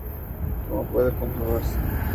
Como puede comprobarse